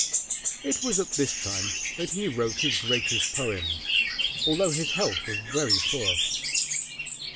It was at this time that he wrote his greatest poems; although his health was very poor.